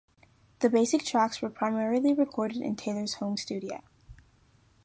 The basic tracks were primarily recorded in Taylor's home studio.